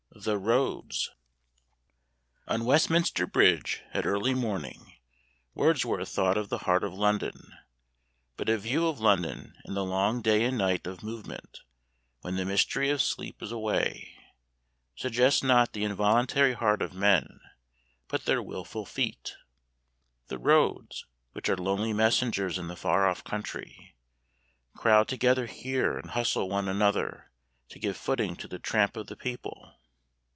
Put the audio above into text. THE ROADS On Westminster Bridge at early morning Wordsworth thought of the heart of London, but a view of London in the long day and night of movement, when the mystery of sleep is away, suggests not the involuntary heart of men, but their wilful feet. The roads, which are lonely messengers in the far off country, crowd together here, and hustle one another to give footing to the tramp of the people.